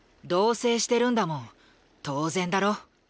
同棲してるんだもん当然だろ。